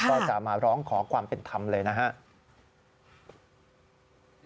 ก็จะมาร้องขอความเป็นธรรมเลยนะครับ